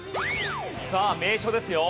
さあ名所ですよ。